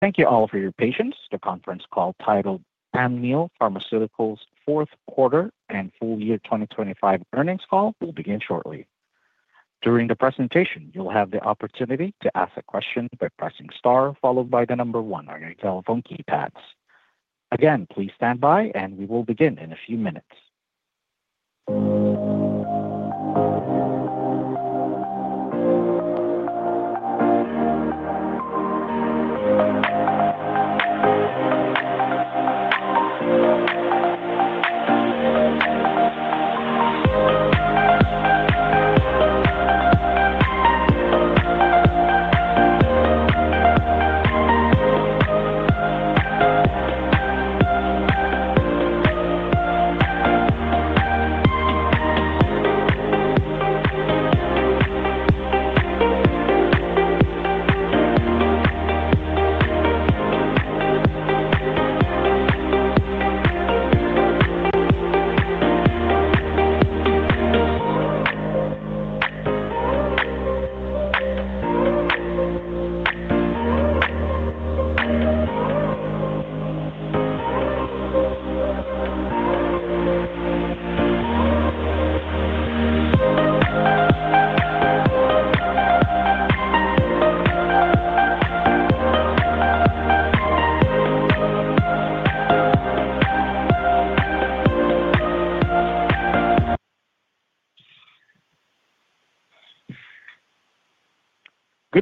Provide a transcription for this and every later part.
Thank you all for your patience. The conference call titled Amneal Pharmaceuticals Fourth Quarter and Full Year 2025 Earnings Call will begin shortly. During the presentation, you'll have the opportunity to ask a question by pressing star followed by the number one on your telephone keypads. Again, please stand by and we will begin in a few minutes.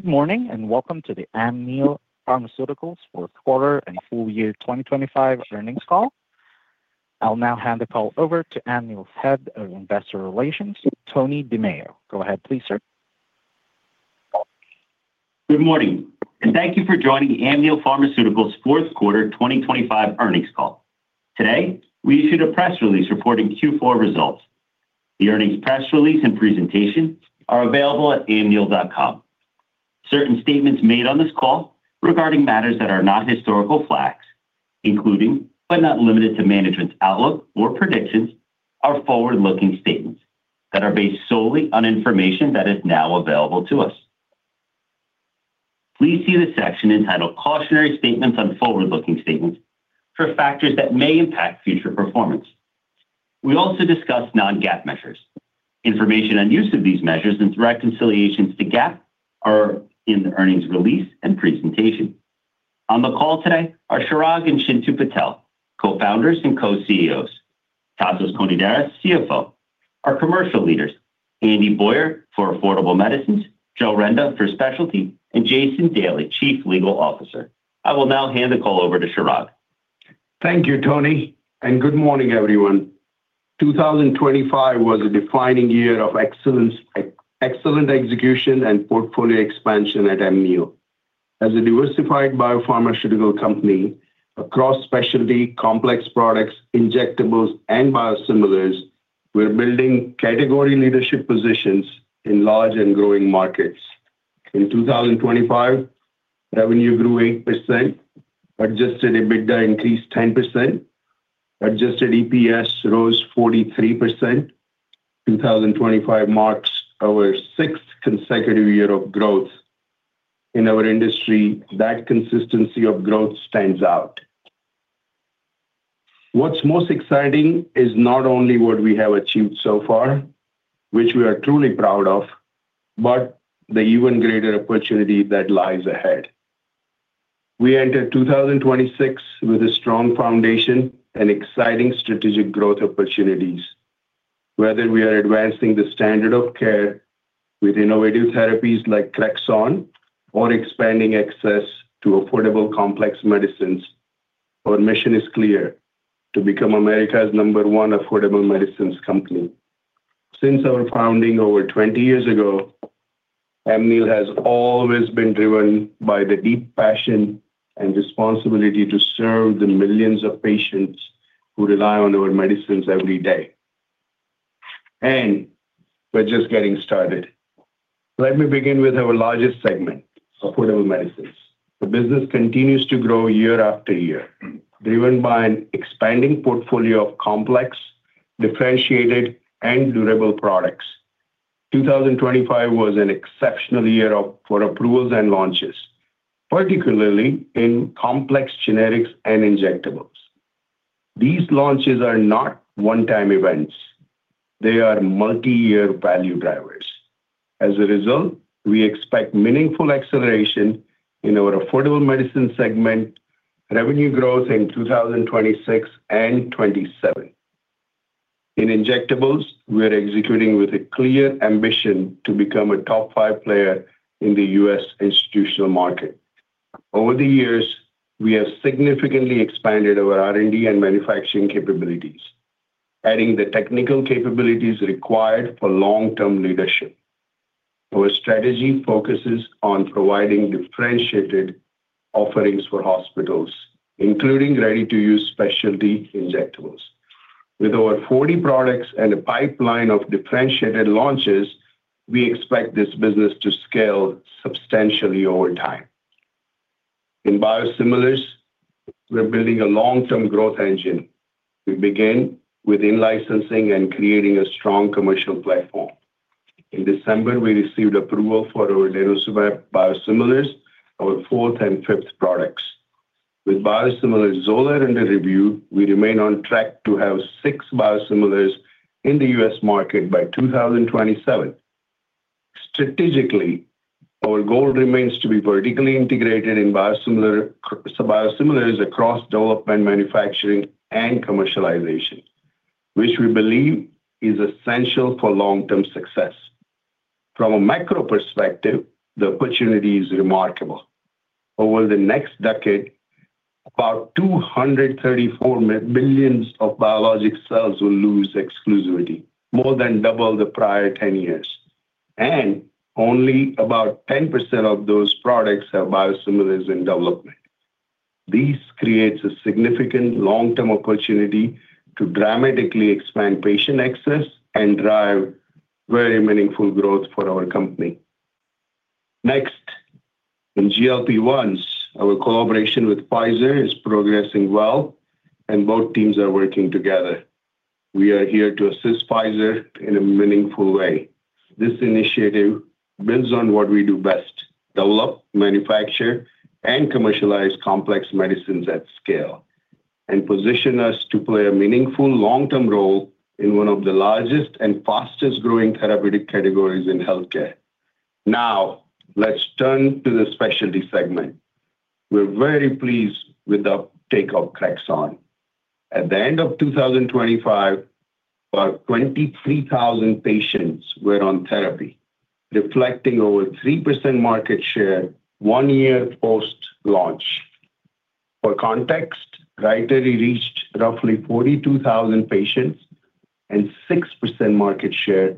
Good morning. Welcome to the Amneal Pharmaceuticals Fourth Quarter and Full Year 2025 Earnings Call. I'll now hand the call over to Amneal's Head of Investor Relations, Tony DiMeo. Go ahead, please, sir. Good morning. Thank you for joining Amneal Pharmaceuticals Fourth Quarter 2025 Earnings Call. Today, we issued a press release reporting Q4 results. The earnings press release and presentation are available at amneal.com. Certain statements made on this call regarding matters that are not historical facts, including, but not limited to management's outlook or predictions, are forward-looking statements that are based solely on information that is now available to us. Please see the section entitled Cautionary Statements on Forward-Looking Statements for factors that may impact future performance. We also discuss non-GAAP measures. Information and use of these measures and reconciliations to GAAP are in the earnings release and presentation. On the call today are Chirag and Chintu Patel, Co-founders and Co-CEOs, Tasios Konidaris, CFO, our commercial leaders, Andy Boyer for Affordable Medicines, Joe Renda for Specialty, and Jason Daly, Chief Legal Officer. I will now hand the call over to Chirag. Thank you, Tony. Good morning, everyone. 2025 was a defining year of excellence, excellent execution and portfolio expansion at Amneal. As a diversified biopharmaceutical company across specialty, complex products, injectables, and biosimilars, we're building category leadership positions in large and growing markets. Revenue grew 8%, adjusted EBITDA increased 10%, adjusted EPS rose 43%. 2025 marks our sixth consecutive year of growth. In our industry, that consistency of growth stands out. What's most exciting is not only what we have achieved so far, which we are truly proud of, but the even greater opportunity that lies ahead. We enter 2026 with a strong foundation and exciting strategic growth opportunities. Whether we are advancing the standard of care with innovative therapies like CREXONT or expanding access to affordable, complex medicines, our mission is clear: to become America's number one affordable medicines company. Since our founding over 20 years ago, Amneal has always been driven by the deep passion and responsibility to serve the millions of patients who rely on our medicines every day. We're just getting started. Let me begin with our largest segment, Affordable Medicines. The business continues to grow year after year, driven by an expanding portfolio of complex, differentiated, and durable products. 2025 was an exceptional year for approvals and launches, particularly in complex generics and injectables. These launches are not one-time events. They are multi-year value drivers. As a result, we expect meaningful acceleration in our Affordable Medicine segment, revenue growth in 2026 and 2027. In injectables, we are executing with a clear ambition to become a top five player in the U.S. institutional market. Over the years, we have significantly expanded our R&D and manufacturing capabilities, adding the technical capabilities required for long-term leadership. Our strategy focuses on providing differentiated offerings for hospitals, including ready-to-use specialty injectables. With over 40 products and a pipeline of differentiated launches, we expect this business to scale substantially over time. In Biosimilars, we're building a long-term growth engine. We begin with in-licensing and creating a strong commercial platform. In December, we received approval for our biosimilars, our fourth and fifth products. With biosimilar XOLAIR under review, we remain on track to have six biosimilars in the U.S. market by 2027. Strategically, our goal remains to be vertically integrated in biosimilars across development, manufacturing, and commercialization, which we believe is essential for long-term success. From a micro perspective, the opportunity is remarkable. Over the next decade, about 234 millions of biologic cells will lose exclusivity, more than double the prior 10 years, and only about 10% of those products have biosimilars in development. This creates a significant long-term opportunity to dramatically expand patient access and drive very meaningful growth for our company. Next, in GLP-1s, our collaboration with Pfizer is progressing well, and both teams are working together. We are here to assist Pfizer in a meaningful way. This initiative builds on what we do best: develop, manufacture, and commercialize complex medicines at scale, and position us to play a meaningful long-term role in one of the largest and fastest-growing therapeutic categories in healthcare. Now, let's turn to the Specialty segment. We're very pleased with the take of CREXONT. At the end of 2025, about 23,000 patients were on therapy, reflecting over 3% market share one year post-launch. For context, RYTARY reached roughly 42,000 patients and 6% market share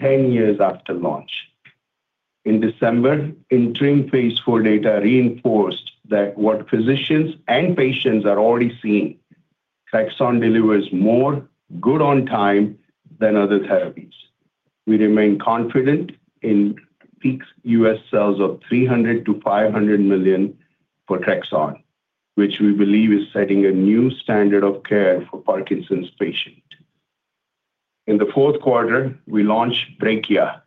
10 years after launch. In December, interim phase IV data reinforced that what physicians and patients are already seeing, CREXONT delivers more good on time than other therapies. We remain confident in peak U.S. sales of $300 million-$500 million for CREXONT, which we believe is setting a new standard of care for Parkinson's patient. In the fourth quarter, we launched Brekiya,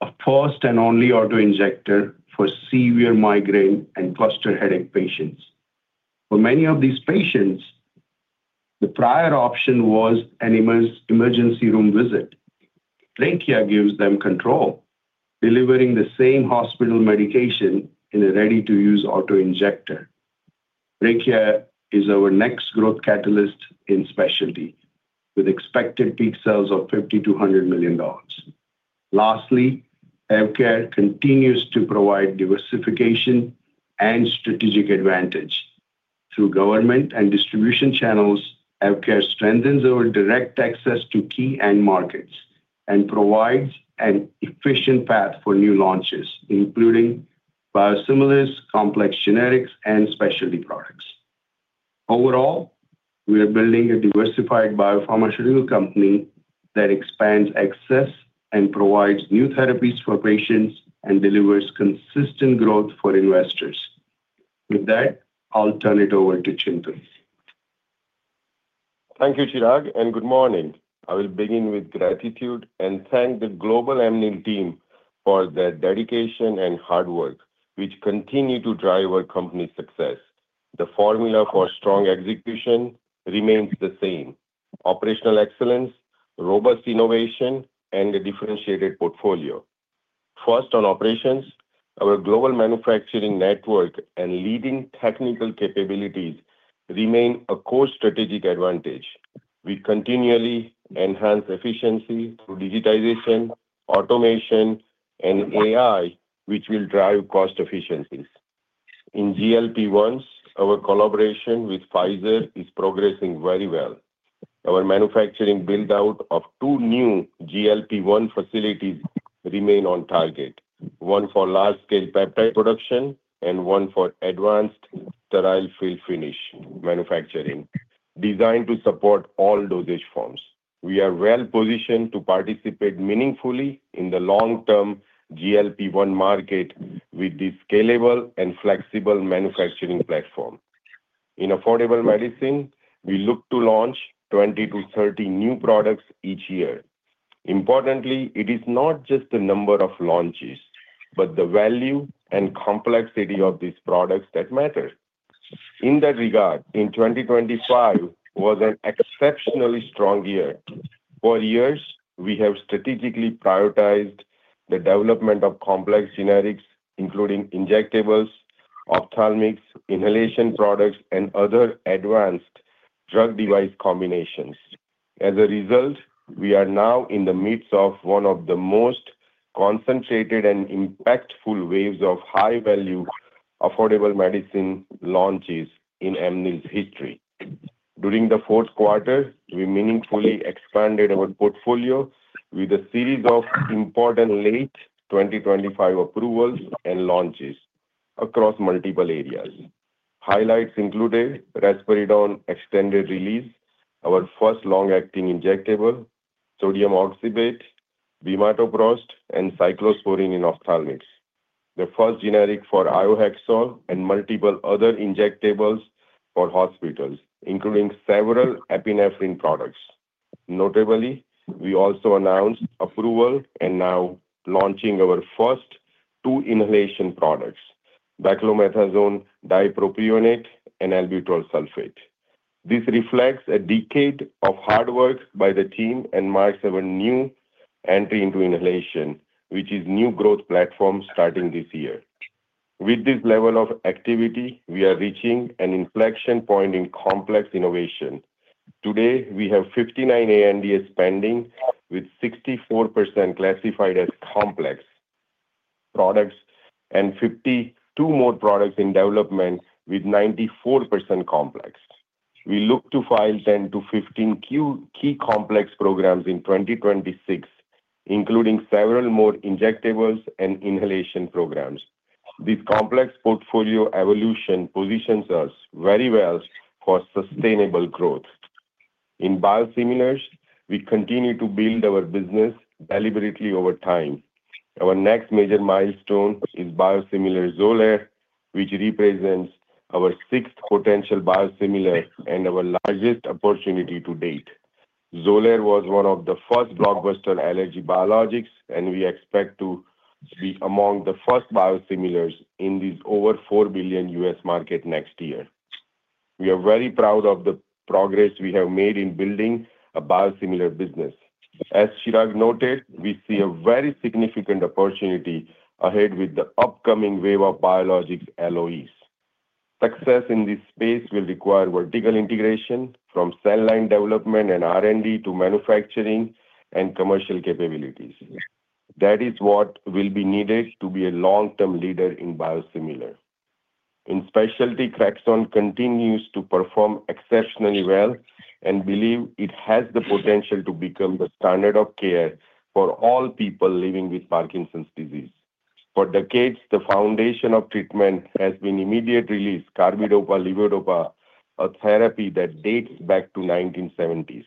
a first and only auto-injector for severe migraine and cluster headache patients. For many of these patients, the prior option was an emergency room visit. Brekiya gives them control, delivering the same hospital medication in a ready-to-use auto-injector. Brekiya is our next growth catalyst in Specialty, with expected peak sales of $50 million-$100 million. Lastly, AvKARE continues to provide diversification and strategic advantage. Through government and distribution channels, AvKARE strengthens our direct access to key end markets and provides an efficient path for new launches, including Biosimilars, Complex Generics, and Specialty Products. Overall, we are building a diversified biopharmaceutical company that expands access and provides new therapies for patients and delivers consistent growth for investors. With that, I'll turn it over to Chintu. Thank you, Chirag. Good morning. I will begin with gratitude and thank the global Amneal team for their dedication and hard work, which continue to drive our company's success. The formula for strong execution remains the same: operational excellence, robust innovation, and a differentiated portfolio. First, on operations, our global manufacturing network and leading technical capabilities remain a core strategic advantage. We continually enhance efficiency through digitization, automation, and AI, which will drive cost efficiencies. In GLP-1s, our collaboration with Pfizer is progressing very well. Our manufacturing build-out of two new GLP-1 facilities remain on target. One for large-scale peptide production and one for advanced sterile fill finish manufacturing, designed to support all dosage forms. We are well positioned to participate meaningfully in the long-term GLP-1 market with this scalable and flexible manufacturing platform. In Affordable Medicine, we look to launch 20-30 new products each year. Importantly, it is not just the number of launches, but the value and complexity of these products that matter. In that regard, 2025 was an exceptionally strong year. For years, we have strategically prioritized the development of complex generics, including injectables, ophthalmics, inhalation products, and other advanced drug device combinations. As a result, we are now in the midst of one of the most concentrated and impactful waves of high-value, affordable medicine launches in Amneal's history. During the fourth quarter, we meaningfully expanded our portfolio with a series of important late 2025 approvals and launches across multiple areas. Highlights included risperidone extended-release, our first long-acting injectable, sodium oxybate, bimatoprost, and cyclosporine in ophthalmics. The first generic for iohexol and multiple other injectables for hospitals, including several epinephrine products. Notably, we also announced approval and now launching our first two inhalation products, beclomethasone dipropionate and albuterol sulfate. This reflects a decade of hard work by the team and marks our new entry into inhalation, which is new growth platform starting this year. With this level of activity, we are reaching an inflection point in complex innovation. Today, we have 59 ANDAs pending, with 64% classified as complex products and 52 more products in development, with 94% complex. We look to file 10-15 key complex programs in 2026, including several more injectables and inhalation programs. This complex portfolio evolution positions us very well for sustainable growth. In Biosimilars, we continue to build our business deliberately over time. Our next major milestone is biosimilar XOLAIR, which represents our sixth potential biosimilar and our largest opportunity to date. XOLAIR was one of the first blockbuster allergy biologics. We expect to be among the first biosimilars in this over $4 billion US market next year. We are very proud of the progress we have made in building a Biosimilar business. As Chirag noted, we see a very significant opportunity ahead with the upcoming wave of biologics LOEs. Success in this space will require vertical integration from cell line development and R&D to manufacturing and commercial capabilities. That is what will be needed to be a long-term leader in Biosimilar. In Specialty, CREXONT continues to perform exceptionally well and believe it has the potential to become the standard of care for all people living with Parkinson's disease. For decades, the foundation of treatment has been immediate-release carbidopa/levodopa, a therapy that dates back to 1970s.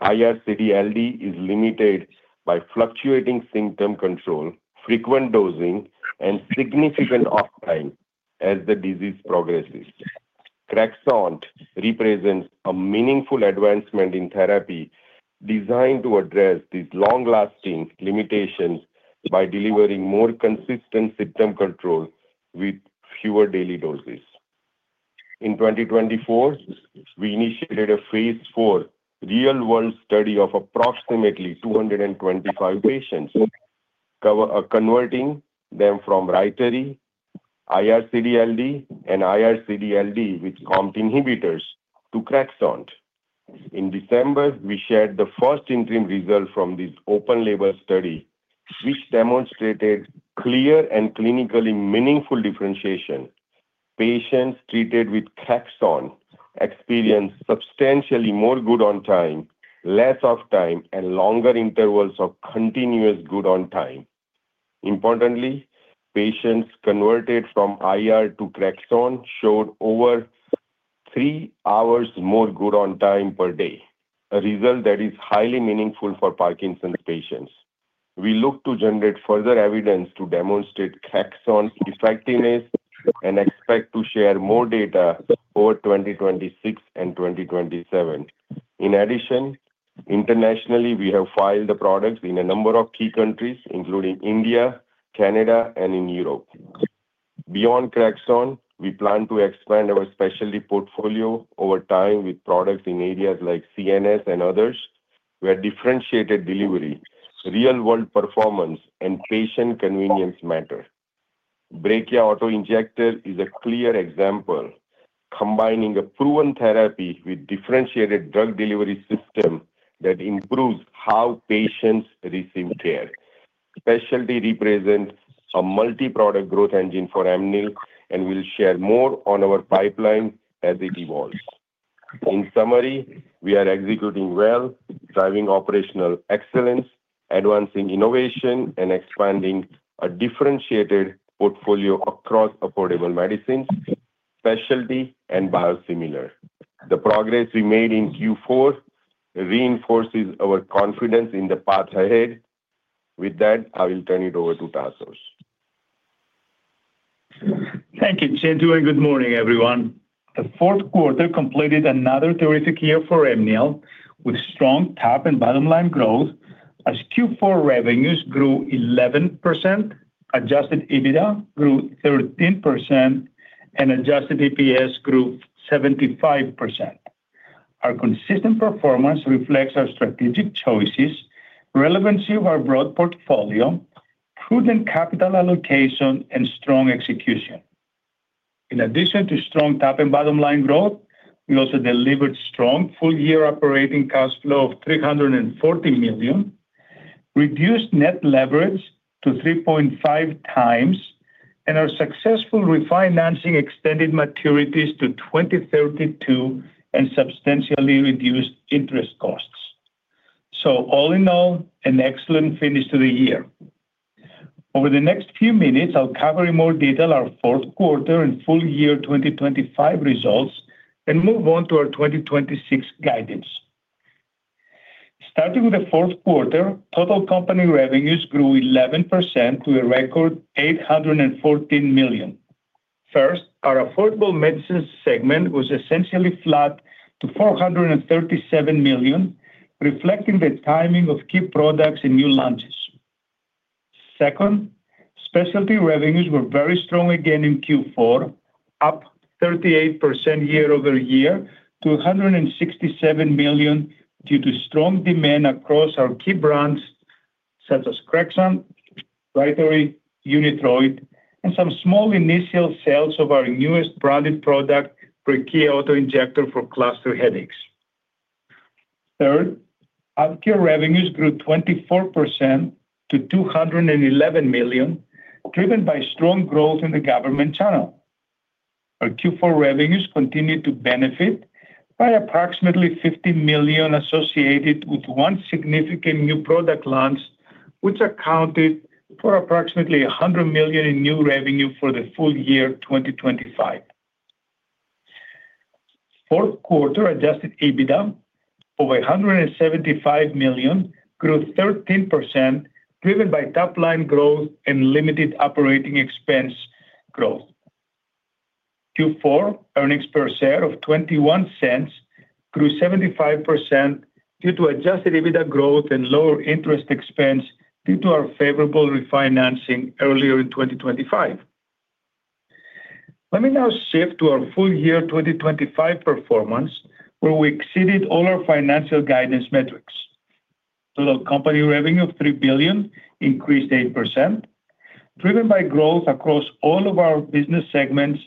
IR/CD-LD is limited by fluctuating symptom control, frequent dosing, and significant off-time as the disease progresses. CREXONT represents a meaningful advancement in therapy designed to address these long-lasting limitations by delivering more consistent symptom control with fewer daily doses. In 2024, we initiated a phase 4 real-world study of approximately 225 patients, converting them from RYTARY, IR/CD-LD, and IR/CD-LD with comp inhibitors to CREXONT. In December, we shared the first interim result from this open label study, which demonstrated clear and clinically meaningful differentiation. Patients treated with CREXONT experienced substantially more good on-time, less off-time, and longer intervals of continuous good on-time. Importantly, patients converted from IR to CREXONT showed over three hours more good on-time per day, a result that is highly meaningful for Parkinson's patients. We look to generate further evidence to demonstrate CREXONT's effectiveness and expect to share more data over 2026 and 2027. In addition, internationally, we have filed the products in a number of key countries, including India, Canada, and in Europe. Beyond CREXONT, we plan to expand our Specialty portfolio over time with products in areas like CNS and others, where differentiated delivery, real-world performance, and patient convenience matter. Brekiya auto-injector is a clear example, combining a proven therapy with differentiated drug delivery system that improves how patients receive care. Specialty represents a multi-product growth engine for Amneal, and we'll share more on our pipeline as it evolves. In summary, we are executing well, driving operational excellence, advancing innovation, and expanding a differentiated portfolio across Affordable Medicines, Specialty, and Biosimilar. The progress we made in Q4 reinforces our confidence in the path ahead. With that, I will turn it over to Tasios. Thank you, Chirag, and good morning, everyone. The fourth quarter completed another terrific year for Amneal, with strong top and bottom line growth, as Q4 revenues grew 11%, adjusted EBITDA grew 13%, and adjusted EPS grew 75%. Our consistent performance reflects our strategic choices, relevancy of our broad portfolio, prudent capital allocation, and strong execution. In addition to strong top and bottom line growth, we also delivered strong full-year operating cash flow of $340 million, reduced net leverage to 3.5 times, and our successful refinancing extended maturities to 2032 and substantially reduced interest costs. All in all, an excellent finish to the year. Over the next few minutes, I'll cover in more detail our fourth quarter and full year 2025 results, and move on to our 2026 guidance. Starting with the fourth quarter, total company revenues grew 11% to a record $814 million. First, our Affordable Medicines segment was essentially flat to $437 million, reflecting the timing of key products and new launches. Second, Specialty revenues were very strong again in Q4, up 38% year-over-year to $167 million, due to strong demand across our key brands such as CREXONT, RYTARY, UNITHROID, and some small initial sales of our newest branded product, Brekiya auto injector for cluster headaches. Third, AvKARE revenues grew 24% to $211 million, driven by strong growth in the government channel. Our Q4 revenues continued to benefit by approximately $50 million associated with one significant new product launch, which accounted for approximately $100 million in new revenue for the full year 2025. Fourth quarter adjusted EBITDA over $175 million, grew 13%, driven by top-line growth and limited operating expense growth. Q4 EPS of $0.21 grew 75% due to adjusted EBITDA growth and lower interest expense due to our favorable refinancing earlier in 2025. Let me now shift to our full year 2025 performance, where we exceeded all our financial guidance metrics. Total company revenue of $3 billion increased 8%, driven by growth across all of our business segments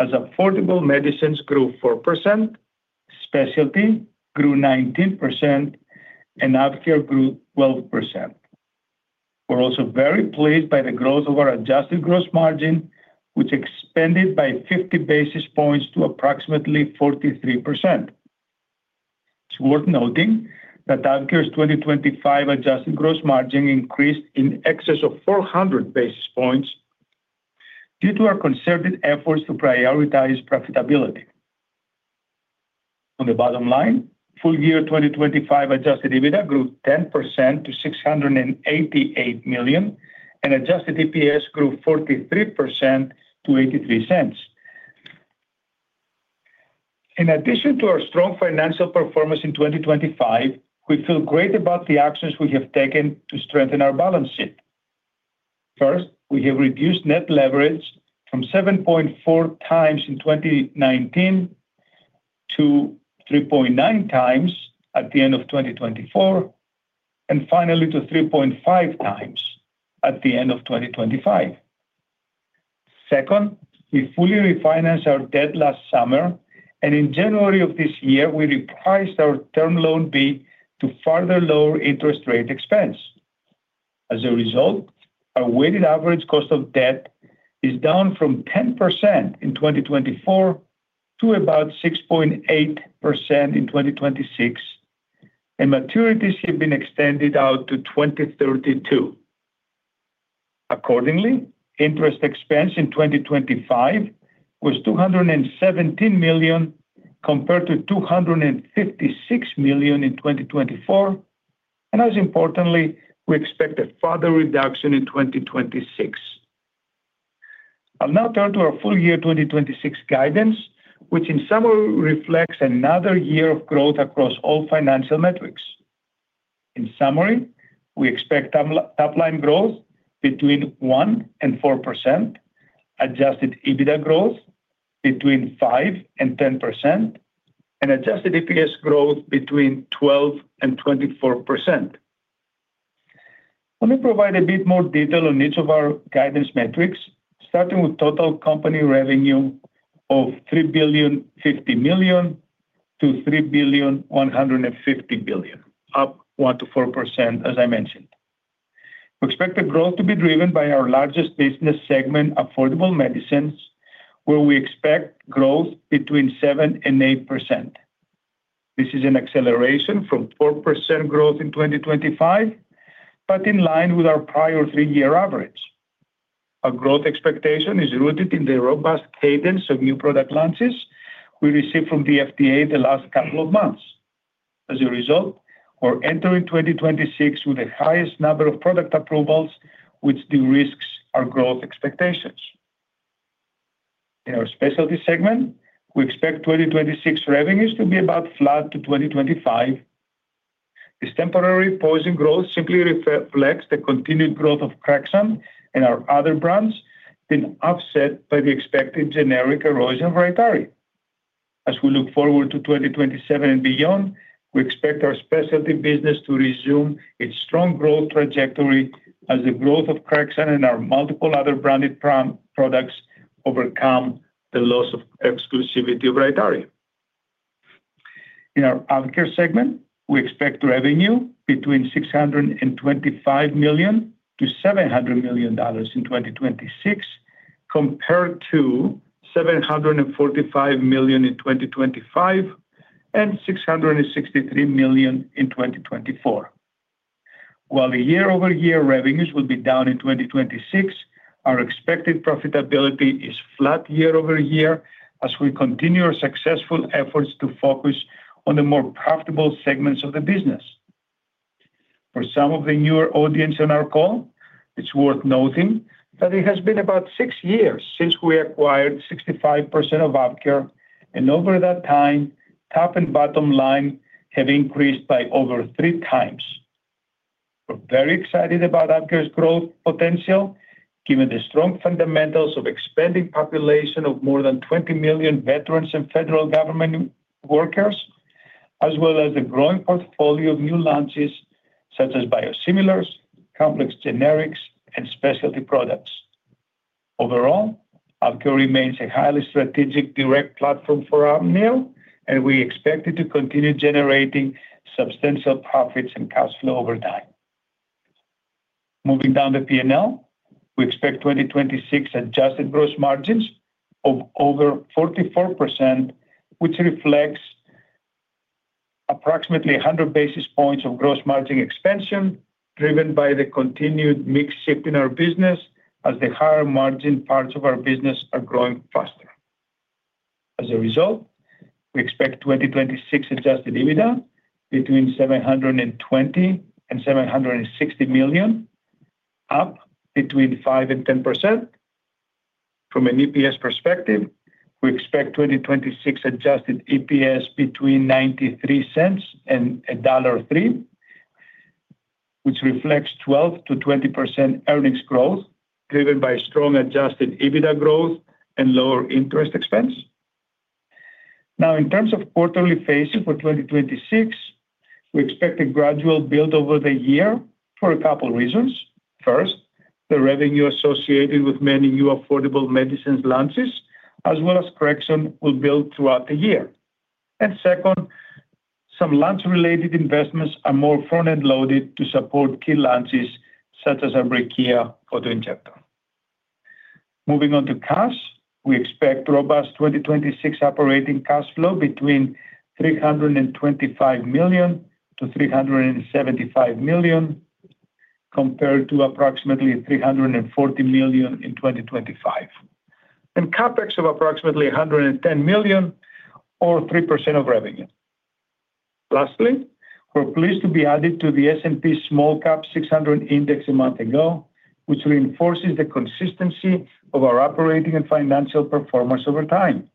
as Affordable Medicines grew 4%, Specialty grew 19%, and AvKARE grew 12%. We're also very pleased by the growth of our adjusted gross margin, which expanded by 50 basis points to approximately 43%. It's worth noting that AvKARE's 2025 adjusted gross margin increased in excess of 400 basis points due to our concerted efforts to prioritize profitability. On the bottom line, full year 2025 adjusted EBITDA grew 10% to $688 million, and adjusted EPS grew 43% to $0.83. In addition to our strong financial performance in 2025, we feel great about the actions we have taken to strengthen our balance sheet. First, we have reduced net leverage from 7.4x in 2019 to 3.9x at the end of 2024, and finally to 3.5x at the end of 2025. Second, we fully refinanced our debt last summer, and in January of this year, we repriced our Term Loan B to further lower interest rate expense. As a result, our weighted average cost of debt is down from 10% in 2024 to about 6.8% in 2026, and maturities have been extended out to 2032. Accordingly, interest expense in 2025 was $217 million, compared to $256 million in 2024, and most importantly, we expect a further reduction in 2026. I'll now turn to our full year 2026 guidance, which in summary, reflects another year of growth across all financial metrics. In summary, we expect top line growth between 1%-4%, adjusted EBITDA growth between 5%-10%, and adjusted EPS growth between 12%-24%. Let me provide a bit more detail on each of our guidance metrics, starting with total company revenue of $3.05 billion-$153 billion, up 1%-4%, as I mentioned. We expect the growth to be driven by our largest business segment, Affordable Medicines, where we expect growth between 7%-8%. This is an acceleration from 4% growth in 2025, but in line with our prior three-year average. Our growth expectation is rooted in the robust cadence of new product launches we received from the FDA in the last couple of months. As a result, we're entering 2026 with the highest number of product approvals, which de-risks our growth expectations. In our Specialty segment, we expect 2026 revenues to be about flat to 2025. This temporary pause in growth simply reflects the continued growth of CREXONT and our other brands being offset by the expected generic erosion of RYTARY. We look forward to 2027 and beyond, we expect our Specialty business to resume its strong growth trajectory as the growth of CREXONT and our multiple other branded products overcome the loss of exclusivity of RYTARY. In our AvKARE segment, we expect revenue between $625 million to $700 million in 2026. compared to $745 million in 2025, and $663 million in 2024. While the year-over-year revenues will be down in 2026, our expected profitability is flat year-over-year as we continue our successful efforts to focus on the more profitable segments of the business. For some of the newer audience on our call, it's worth noting that it has been about six years since we acquired 65% of AvKARE, and over that time, top and bottom line have increased by over 3x. We're very excited about AvKARE's growth potential, given the strong fundamentals of expanding population of more than 20 million veterans and federal government workers, as well as the growing portfolio of new launches, such as Biosimilars, Complex Generics, and Specialty Products. AvKARE remains a highly strategic direct platform for Amneal, and we expect it to continue generating substantial profits and cash flow over time. Moving down the P&L, we expect 2026 adjusted gross margins of over 44%, which reflects approximately 100 basis points of gross margin expansion, driven by the continued mix shift in our business as the higher margin parts of our business are growing faster. As a result, we expect 2026 adjusted EBITDA between $720 million and $760 million, up between 5% and 10%. From an EPS perspective, we expect 2026 adjusted EPS between $0.93 and $1.03, which reflects 12%-20% earnings growth, driven by strong adjusted EBITDA growth and lower interest expense. In terms of quarterly phasing for 2026, we expect a gradual build over the year for a couple reasons. First, the revenue associated with many new affordable medicines launches, as well as correction, will build throughout the year. Second, some launch-related investments are more front-end loaded to support key launches such as Brekiya auto-injector. Moving on to cash. We expect robust 2026 operating cash flow between $325 million-$375 million, compared to approximately $340 million in 2025, and CapEx of approximately $110 million or 3% of revenue. Lastly, we're pleased to be added to the S&P SmallCap 600 index a month ago, which reinforces the consistency of our operating and financial performance over time.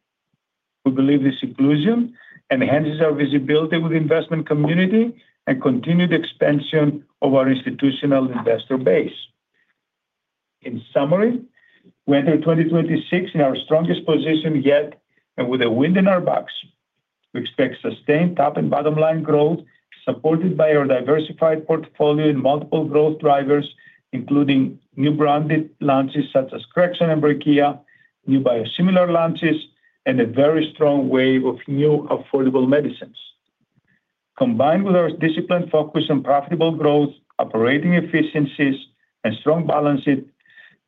We believe this inclusion enhances our visibility with the investment community and continued expansion of our institutional investor base. In summary, we enter 2026 in our strongest position yet, and with a wind in our backs. We expect sustained top and bottom line growth, supported by our diversified portfolio and multiple growth drivers, including new branded launches such as CREXONT and Brekiya, new Biosimilar launches, and a very strong wave of new affordable medicines. Combined with our disciplined focus on profitable growth, operating efficiencies, and strong balances,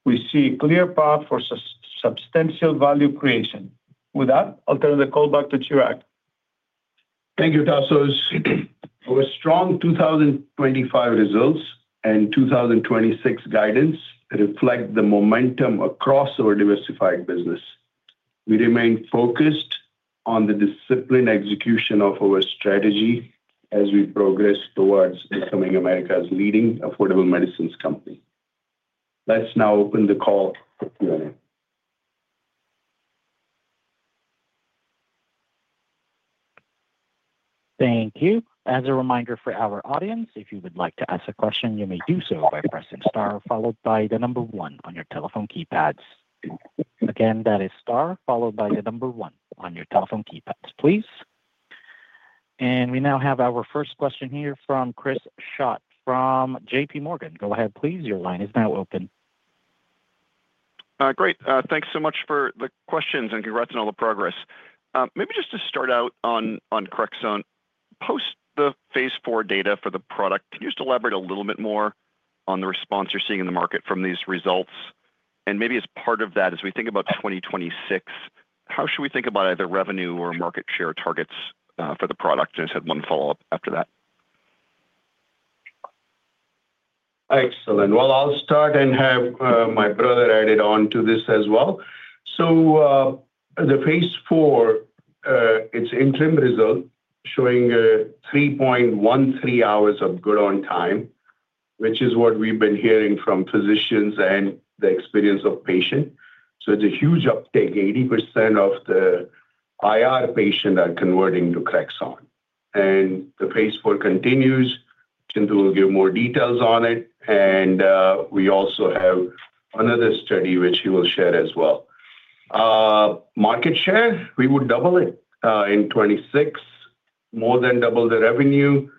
we see a clear path for sub-substantial value creation. With that, I'll turn the call back to Chirag. Thank you, Tasios. Our strong 2025 results and 2026 guidance reflect the momentum across our diversified business. We remain focused on the disciplined execution of our strategy as we progress towards becoming America's leading affordable medicines company. Let's now open the call to Q&A. Thank you. As a reminder for our audience, if you would like to ask a question, you may do so by pressing star followed by one on your telephone keypads. Again, that is star followed by one on your telephone keypads, please. We now have our first question here from Chris Schott from JPMorgan. Go ahead, please. Your line is now open. Great. Thanks so much for the questions, and congrats on all the progress. Maybe just to start out on CREXONT, post the phase IV data for the product, can you just elaborate a little bit more on the response you're seeing in the market from these results? Maybe as part of that, as we think about 2026, how should we think about either revenue or market share targets for the product? Just have one follow-up after that. Excellent. Well, I'll start and have my brother added on to this as well. The phase IV, its interim result showing 3.13 hours of good-on-time, which is what we've been hearing from physicians and the experience of patient. It's a huge uptake. 80% of the IR patients are converting to CREXONT, and the phase IV continues. Chintu will give more details on it, and we also have another study which he will share as well. Market share, we would double it in 26, more than double the revenue,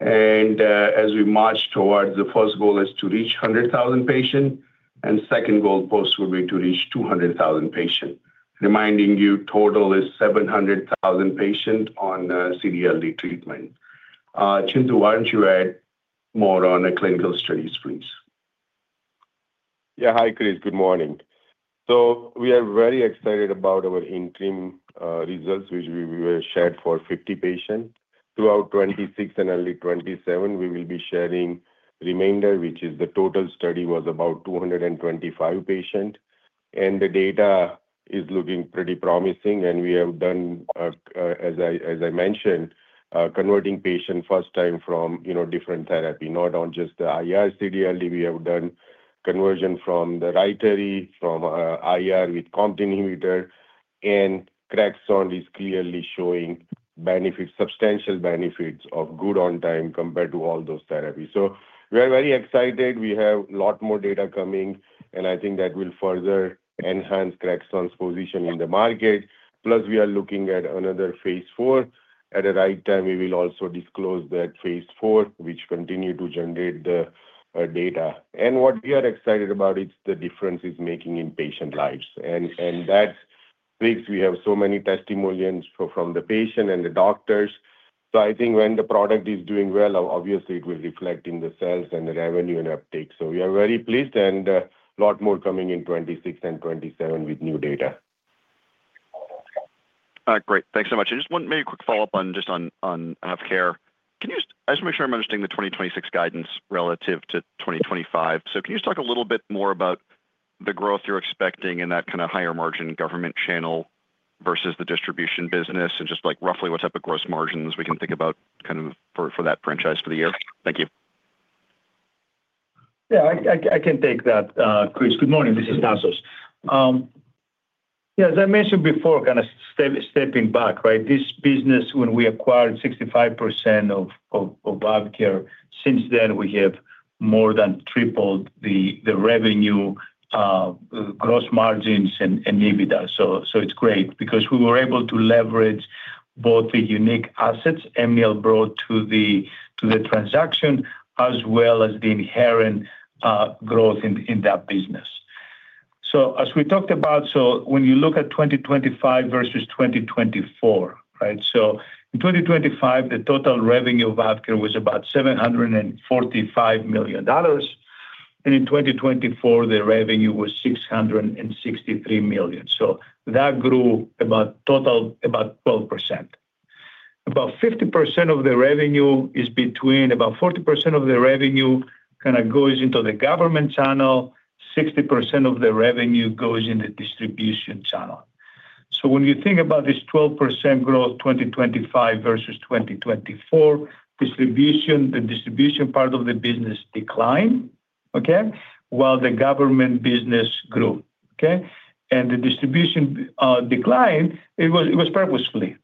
and as we march towards the first goal is to reach 100,000 patient, and second goal post will be to reach 200,000 patient. Reminding you, total is 700,000 patient on CD/LD treatment.... Chintu, why don't you add more on the clinical studies, please? Yeah, hi, Chris. Good morning. We are very excited about our interim results, which we will share for 50 patients. Throughout 2026 and early 2027, we will be sharing remainder, which is the total study was about 225 patient, and the data is looking pretty promising. We have done, as I mentioned, converting patient first time from, you know, different therapy, not on just the IR CD/LD. We have done conversion from the RYTARY from, IR with COMT inhibitor, and CREXONT is clearly showing benefits, substantial benefits of good on time compared to all those therapies. We are very excited. We have a lot more data coming, and I think that will further enhance CREXONT's position in the market. We are looking at another phase IV. At the right time, we will also disclose that phase IV, which continue to generate the data. What we are excited about is the difference is making in patient lives. That's because we have so many testimonials from the patient and the doctors. I think when the product is doing well, obviously it will reflect in the sales and the revenue and uptake. We are very pleased, and a lot more coming in 2026 and 2027 with new data. Great. Thanks so much. I just want maybe a quick follow-up on, just on AvKARE. I just wanna make sure I'm understanding the 2026 guidance relative to 2025. Can you just talk a little bit more about the growth you're expecting in that kinda higher margin government channel versus the distribution business, and just, like, roughly what type of gross margins we can think about kind of for that franchise forthe year? Thank you. Yeah, I can take that. Chris, good morning. This is Tasios. Yeah, as I mentioned before, kinda stepping back, right? This business, when we acquired 65% of AvKARE, since then, we have more than tripled the revenue, gross margins and EBITDA. It's great because we were able to leverage both the unique assets Impax brought to the transaction, as well as the inherent growth in that business. As we talked about, when you look at 2025 versus 2024, right? In 2025, the total revenue of AvKARE was about $745 million, and in 2024, the revenue was $663 million. That grew about total, about 12%. About 50% of the revenue is about 40% of the revenue kinda goes into the government channel, 60% of the revenue goes in the distribution channel. When you think about this 12% growth, 2025 versus 2024, distribution, the distribution part of the business declined, okay? While the government business grew, okay? The distribution decline, it was purposefully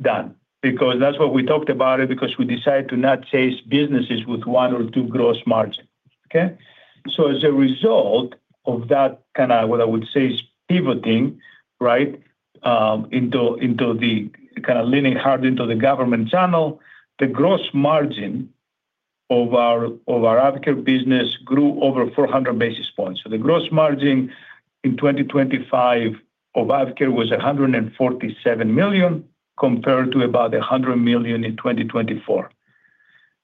done because that's what we talked about it, because we decided to not chase businesses with 1% or 2% gross margin, okay? As a result of that, kinda what I would say is pivoting, right, into the kinda leaning hard into the government channel, the gross margin of our, of our AvKARE business grew over 400 basis points. The gross margin in 2025 of AvKARE was $147 million, compared to about $100 million in 2024.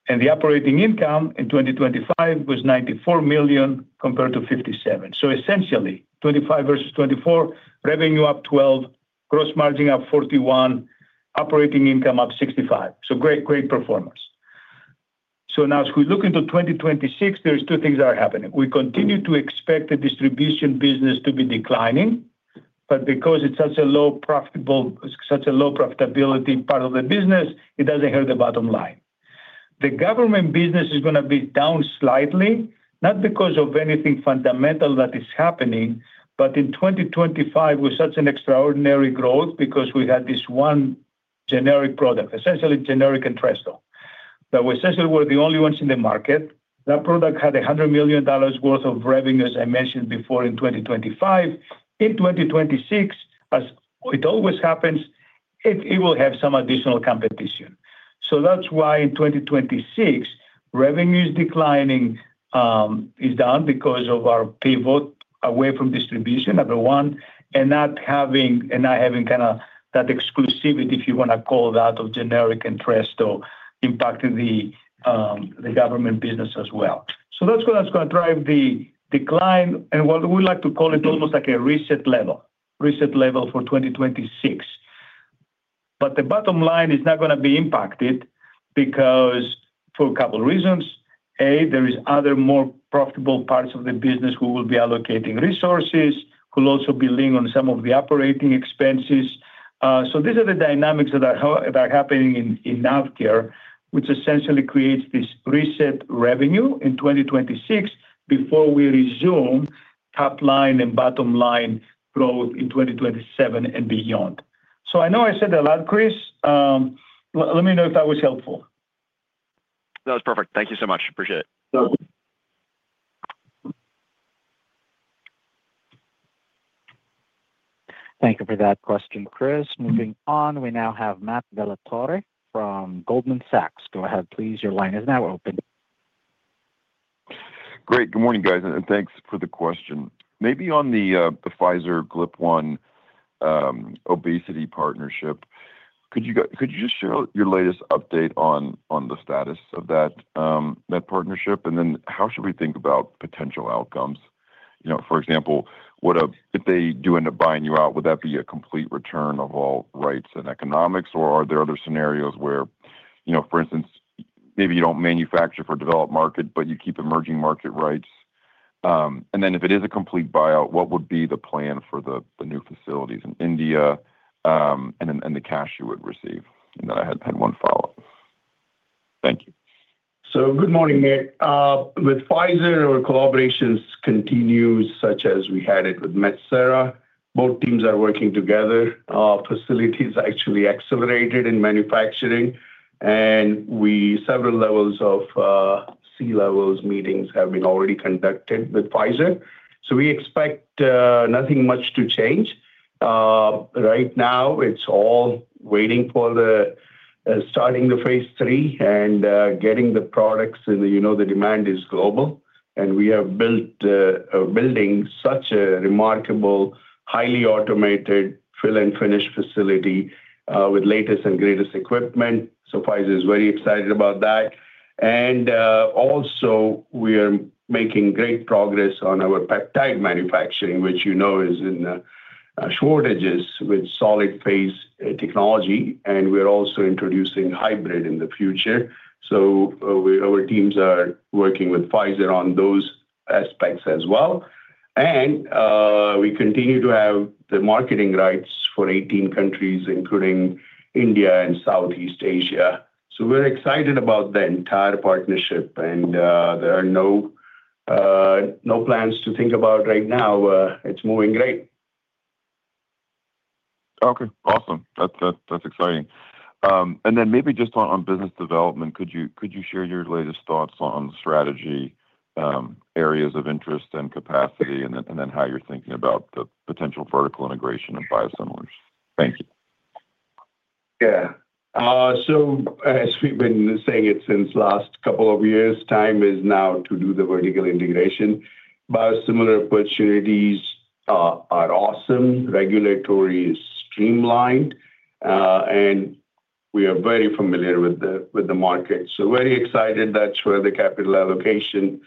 The operating income in 2025 was $94 million, compared to $57 million. Essentially, 25 versus 24, revenue up 12%, gross margin up 41%, operating income up 65%. Great performance. Now as we look into 2026, there's two things that are happening. We continue to expect the distribution business to be declining, but because it's such a low profitability part of the business, it doesn't hurt the bottom line. The government business is gonna be down slightly, not because of anything fundamental that is happening, but in 2025 was such an extraordinary growth because we had this one generic product, essentially generic Entresto, that we essentially were the only ones in the market. That product had $100 million worth of revenue, as I mentioned before, in 2025. In 2026, as it always happens, it will have some additional competition. That's why in 2026, revenue is declining, is down because of our pivot away from distribution, number one, and not having kinda that exclusivity, if you wanna call that, of generic Entresto impacting the government business as well. That's what is gonna drive the decline and what we like to call it, almost like a reset level for 2026. The bottom line is not gonna be impacted because for a couple reasons: A, there is other more profitable parts of the business who will be allocating resources, who will also be leaning on some of the operating expenses. These are the dynamics that are happening in AvKARE, which essentially creates this reset revenue in 2026 before we resume top line and bottom line growth in 2027 and beyond. I know I said a lot, Chris, let me know if that was helpful. That was perfect. Thank you so much. Appreciate it. Welcome. Thank you for that question, Chris. Moving on, we now have Matt Dellatorre from Goldman Sachs. Go ahead, please. Your line is now open. Great. Good morning, guys, and thanks for the question. Maybe on the Pfizer GLP-1 obesity partnership, could you just share your latest update on the status of that partnership? How should we think about potential outcomes? You know, for example, would if they do end up buying you out, would that be a complete return of all rights and economics, or are there other scenarios where, you know, for instance, maybe you don't manufacture for developed market, but you keep emerging market rights? If it is a complete buyout, what would be the plan for the new facilities in India, and then the cash you would receive? I had one follow-up. Thank you. Good morning, Matt. With Pfizer, our collaborations continues, such as we had it with Metsera. Both teams are working together. Facilities actually accelerated in manufacturing, and we, several levels of C-levels meetings have been already conducted with Pfizer. We expect nothing much to change. Right now, it's all waiting for the starting the phase III and getting the products, and you know, the demand is global, and we have built, building such a remarkable, highly automated fill and finish facility with latest and greatest equipment. Pfizer is very excited about that. Also, we are making great progress on our peptide manufacturing, which, you know, is in shortages with solid phase technology, and we're also introducing hybrid in the future. Our teams are working with Pfizer on those aspects as well. We continue to have the marketing rights for 18 countries, including India and Southeast Asia. We're excited about the entire partnership, there are no plans to think about right now. It's moving great. Okay, awesome. That's exciting. Maybe just on business development, could you share your latest thoughts on strategy, areas of interest and capacity, and then how you're thinking about the potential vertical integration of biosimilars? Thank you. Yeah. As we've been saying it since last couple of years, time is now to do the vertical integration. Biosimilar opportunities are awesome, regulatory is streamlined, and we are very familiar with the market. Very excited that's where the capital allocation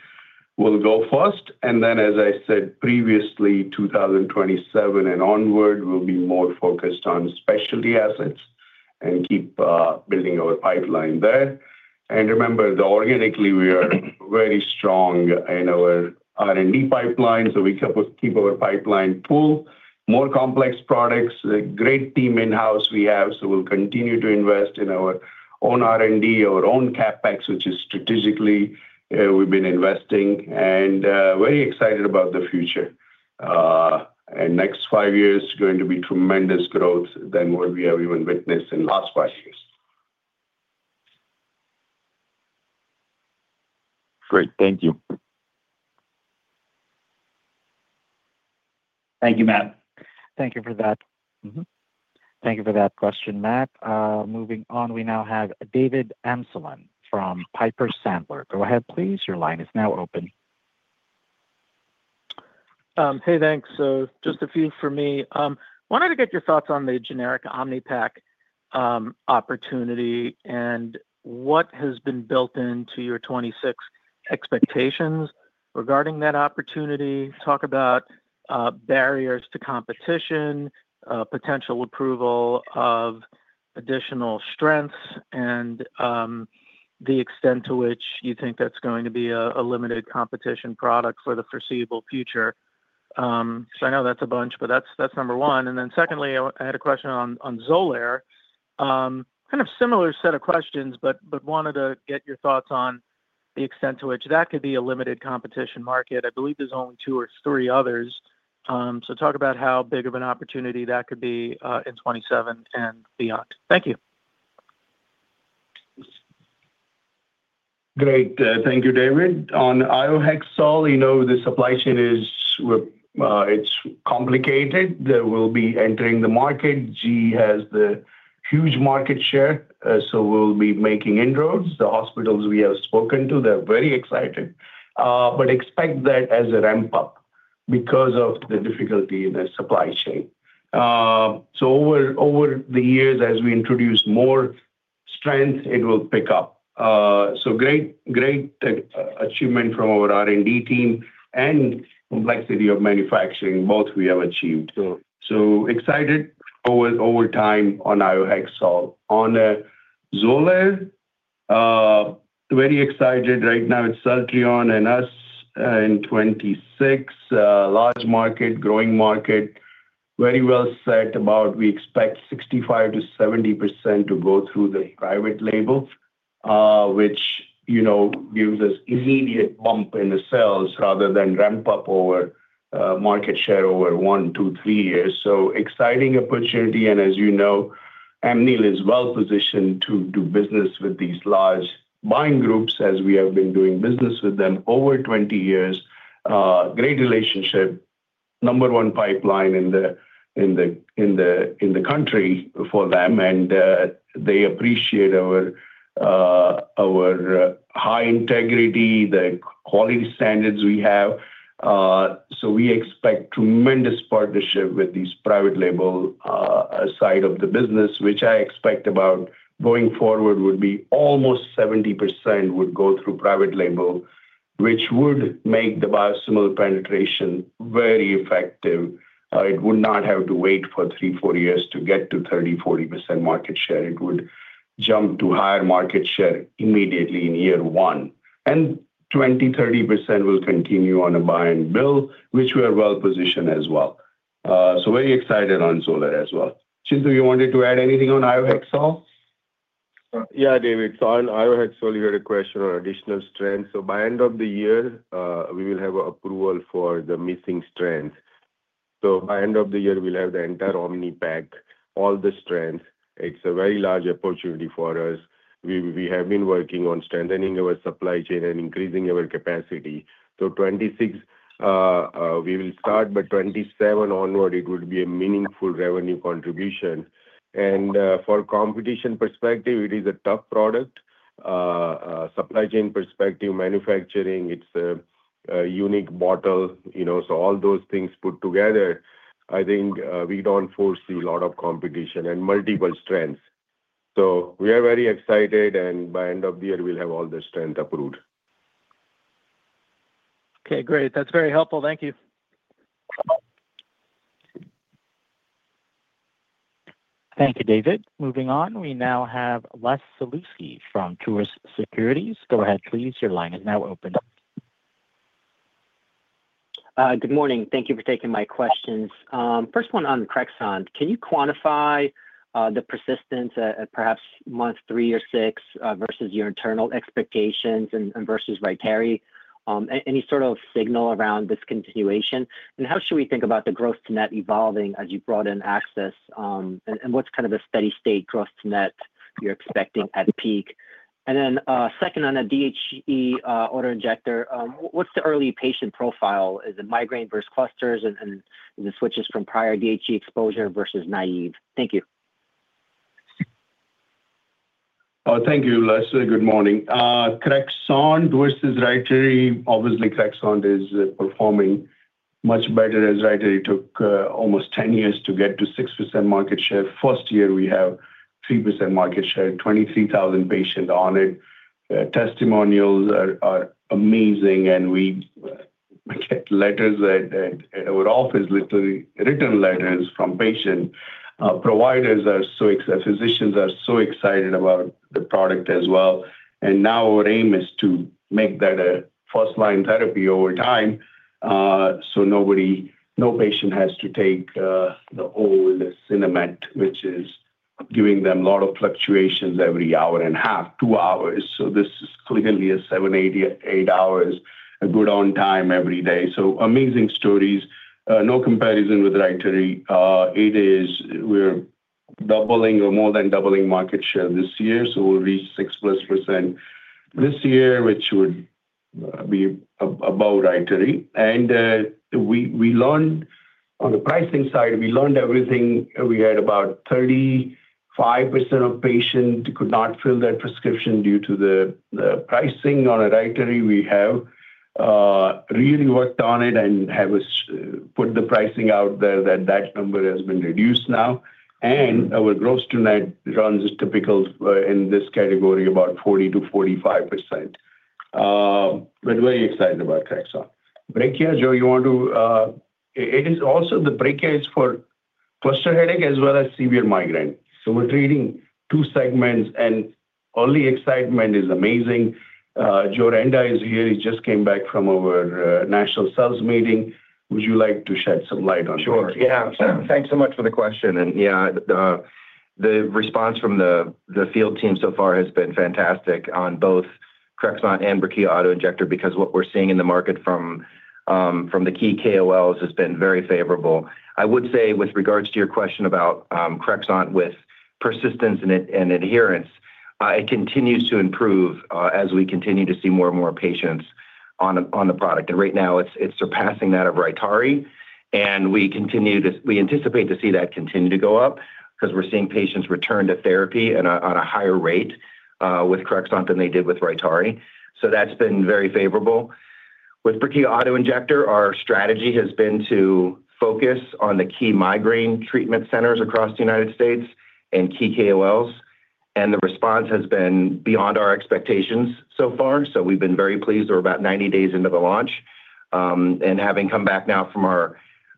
will go first. Then, as I said previously, 2027 and onward will be more focused on Specialty assets and keep building our pipeline there. Remember, organically, we are very strong in our R&D pipeline, we keep our pipeline full. More complex products, a great team in-house we have, we'll continue to invest in our own R&D, our own CapEx, which is strategically, we've been investing, and very excited about the future. Next five years is going to be tremendous growth than what we have even witnessed in last five years. Great. Thank you. Thank you, Matt. Thank you for that. Thank you for that question, Matt. Moving on, we now have David Amsellem from Piper Sandler. Go ahead, please. Your line is now open. Hey, thanks. Just a few for me. Wanted to get your thoughts on the generic Omnipaque opportunity and what has been built into your 26 expectations regarding that opportunity. Talk about barriers to competition, potential approval of additional strengths, and the extent to which you think that's going to be a limited competition product for the foreseeable future. I know that's a bunch, but that's number one. Secondly, I had a question on XOLAIR. Kind of similar set of questions, wanted to get your thoughts on the extent to which that could be a limited competition market. I believe there's only two or three others. Talk about how big of an opportunity that could be in 27 and beyond. Thank you. Great, thank you, David. On iohexol, you know, the supply chain is complicated. They will be entering the market. GE has the huge market share, so we'll be making inroads. The hospitals we have spoken to, they're very excited, but expect that as a ramp-up because of the difficulty in the supply chain. Over the years, as we introduce more strength, it will pick up. Great achievement from our R&D team and complexity of manufacturing, both we have achieved. Excited over time on iohexol. On Xolair, very excited right now. It's Celltrion and us, in 2026, large market, growing market, very well set about. We expect 65%-70% to go through the private label, which, you know, gives us immediate bump in the sales rather than ramp up our market share over 1-3 years. Exciting opportunity, and as you know, Amneal is well positioned to do business with these large buying groups, as we have been doing business with them over 20 years. Great relationship. Number one pipeline in the country for them, and they appreciate our high integrity, the quality standards we have. We expect tremendous partnership with these private label side of the business, which I expect about going forward would be almost 70% would go through private label, which would make the biosimilar penetration very effective. It would not have to wait for three, four years to get to 30%-40% market share. It would jump to higher market share immediately in year one, and 20%-30% will continue on a buy and build, which we are well positioned as well. Very excited on XOLAIR as well. Chintu, you wanted to add anything on iohexol? Yeah, David. On iohexol, you had a question on additional strength. By end of the year, we will have approval for the missing strength. By end of the year, we'll have the entire Omnipaque, all the strength. It's a very large opportunity for us. We have been working on strengthening our supply chain and increasing our capacity. 2026, we will start, but 2027 onward, it would be a meaningful revenue contribution. For competition perspective, it is a tough product, supply chain perspective, manufacturing, it's a unique bottle, you know, so all those things put together, I think, we don't foresee a lot of competition and multiple strengths. We are very excited, and by end of the year, we'll have all the strength approved. Okay, great. That's very helpful. Thank you. Thank you, David. Moving on, we now have Les Sulewski from Truist Securities. Go ahead, please. Your line is now open. Good morning. Thank you for taking my questions. First one on the CREXONT. Can you quantify the persistence at perhaps month three or six versus your internal expectations and versus RYTARY? Any sort of signal around this continuation, and how should we think about the growth to net evolving as you brought in access, and what's kind of the steady-state growth to net you're expecting at peak? Second, on a DHE auto injector, what's the early patient profile? Is it migraine versus clusters, and the switches from prior DHE exposure versus naive? Thank you. Thank you, Les. Good morning. CREXONT versus RYTARY, obviously, CREXONT is performing much better as RYTARY took almost 10 years to get to 6% market share. First year, we have 3% market share, 23,000 patients on it. Testimonials are amazing, and we get letters that our office, literally written letters from patient. Physicians are so excited about the product as well. Now our aim is to make that a first-line therapy over time, so nobody, no patient has to take the old Sinemet, which is giving them a lot of fluctuations every hour and a half, two hours. This is clearly a seven to eight hours, a good on time every day. Amazing stories, no comparison with RYTARY. We're doubling or more than doubling market share this year, so we'll reach 6+% this year, which would be about RYTARY. We learned on the pricing side, we learned everything. We had about 35% of patients could not fill their prescription due to the pricing on a RYTARY. We have really worked on it and have us put the pricing out there. That number has been reduced now, and our gross tonight runs typical in this category, about 40%-45%. We're very excited about CREXONT. Brekiya, Joe, you want to? It is also the Brekiya is for cluster headache as well as severe migraine. We're treating two segments, and all the excitement is amazing. Joe Renda is here. He just came back from our national sales meeting. Would you like to shed some light on this? Sure. Thanks so much for the question, and the response from the field team so far has been fantastic on both CREXONT and Brekiya auto injector, because what we're seeing in the market from the key KOLs has been very favorable. I would say with regards to your question about CREXONT with persistence and adherence, it continues to improve as we continue to see more and more patients on the product. Right now, it's surpassing that of RYTARY, and we anticipate to see that continue to go up because we're seeing patients return to therapy on a higher rate with CREXONT than they did with RYTARY. That's been very favorable. With Brekiya auto injector, our strategy has been to focus on the key migraine treatment centers across the United States and key KOLs, and the response has been beyond our expectations so far. We've been very pleased. We're about 90 days into the launch. Having come back now from our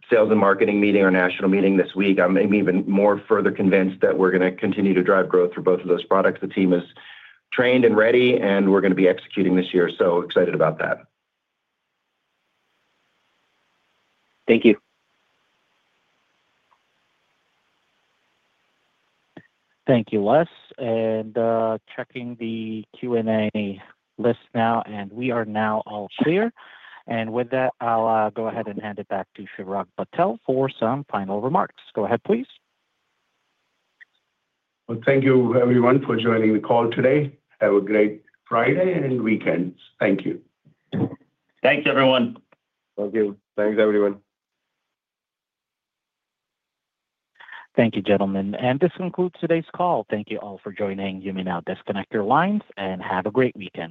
sales and marketing meeting, our national meeting this week, I'm even more further convinced that we're gonna continue to drive growth for both of those products. The team is trained and ready, and we're gonna be executing this year, so excited about that. Thank you. Thank you, Les. Checking the Q&A list now, and we are now all clear. With that, I'll go ahead and hand it back to Chirag Patel for some final remarks. Go ahead, please. Well, thank you everyone for joining the call today. Have a great Friday and weekend. Thank you. Thanks, everyone. Thank you. Thanks, everyone. Thank you, gentlemen. This concludes today's call. Thank you all for joining. You may now disconnect your lines, and have a great weekend.